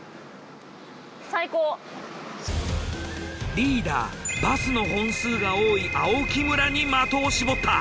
リーダーバスの本数が多い青木村に的を絞った。